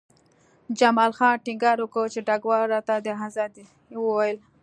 جمال خان ټینګار وکړ چې ډګروال راته د ازادۍ وویل